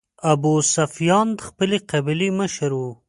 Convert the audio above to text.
ابوسفیان خپلې قبیلې مشر و.